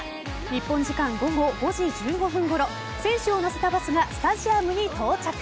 日本時間午後５時１５分ごろ選手を乗せたバスがスタジアムに到着。